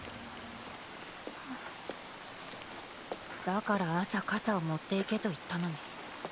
だから朝傘を持っていけと言ったのに。